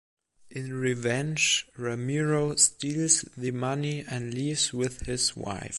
In revenge, Ramiro steals the money and leaves with his wife.